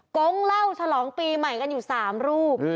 กงเหล้าฉลองปีใหม่กันอยู่๓รูป